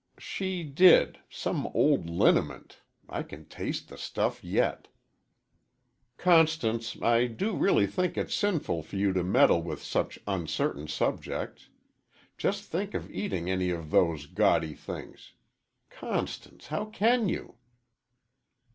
"She did some old liniment I can taste the stuff yet. Constance, I do really think it's sinful for you to meddle with such uncertain subjects. Just think of eating any of those gaudy things. Constance! How can you?"